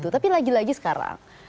tapi lagi lagi sekarang